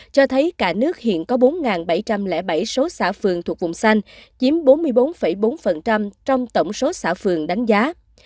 cho thấy cả nước hiện có bốn bảy trăm linh bảy số xã phường thuộc vùng xanh chiếm bốn mươi bốn bốn trong tổng số xã phường đánh giá